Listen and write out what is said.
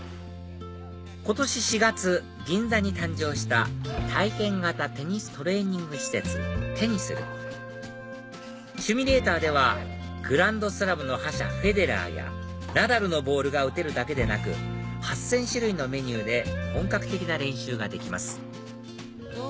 今年４月銀座に誕生した体験型テニストレーニング施設テニスルシミュレーターではグランドスラムの覇者フェデラーやナダルのボールが打てるだけでなく８０００種類のメニューで本格的な練習ができます